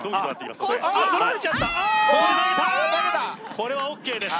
これはＯＫです